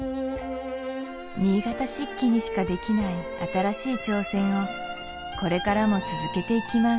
新潟漆器にしかできない新しい挑戦をこれからも続けていきます